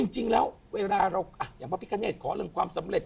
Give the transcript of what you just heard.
จริงแล้วเวลาเราอย่างพระพิกาเนตขอเรื่องความสำเร็จ